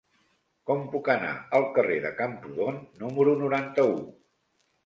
Com puc anar al carrer de Camprodon número noranta-u?